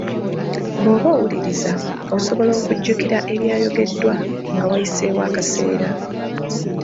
Bw'oba owulirizza, osobola okujjukira ebyayogeddwa nga wayiseeyo akaseera.